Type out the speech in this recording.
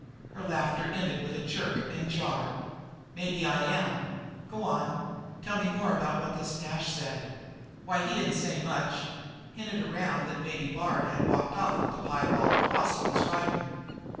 Her laughter ended with a jerk and jar. "Maybe I am. G'wan! Tell me some more about what Nash said." "Why, he didn't say much. Hinted around that maybe Bard had walked off with the piebald hoss he was ridin'."